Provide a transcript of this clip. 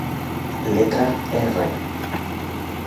Letra "R".